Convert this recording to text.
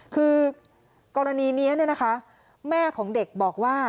คือกรณีนี้แม่ของเด็กบอกว่า